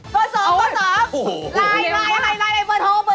เปิดสอบ